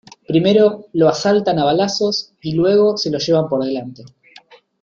primero lo asaltan a balazos y luego se lo lleva por delante